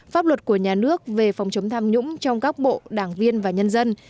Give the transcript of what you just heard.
pháp luật của nhà nước về phòng chống tham nhũng trong các bộ đảng viên và nhân dân